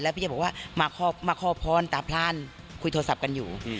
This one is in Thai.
พี่จะบอกว่ามาขอพรตาพลานคุยโทรศัพท์กันอยู่